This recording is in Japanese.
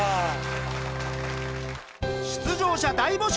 出場者大募集！